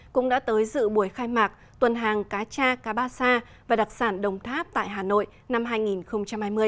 cũng đã tới dự buổi khai mạc tuần hàng cá cha cá ba sa và đặc sản đồng tháp tại hà nội năm hai nghìn hai mươi